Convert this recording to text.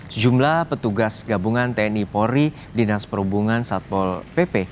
sejumlah petugas gabungan tni polri dinas perhubungan satpol pp